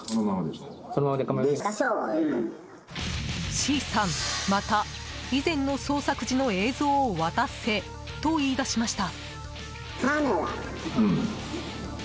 Ｃさん、また以前の捜索時の映像を渡せと言い出しました。